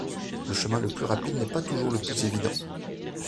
Le chemin le plus rapide n'est pas toujours le plus évident.